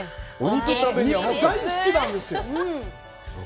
肉、大好きなんですよ。